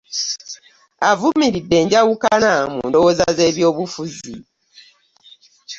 Avumiridde enjawukana mu ndowooza z'ebyobufuzi